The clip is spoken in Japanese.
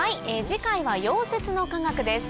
次回は溶接の科学です。